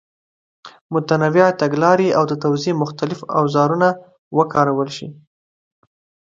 متنوع تګلارې او د توضیح مختلف اوزارونه وکارول شي.